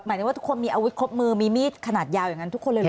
หมายถึงว่าทุกคนมีอาวุธครบมือมีมีดขนาดยาวอย่างนั้นทุกคนเลยเหรอ